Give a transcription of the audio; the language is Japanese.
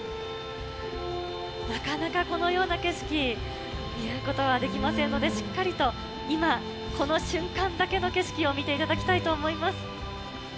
なかなかこのような景色、見ることはできませんので、しっかりと今、この瞬間だけの景色を見ていただきたいと思います。